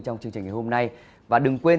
trong chương trình ngày hôm nay và đừng quên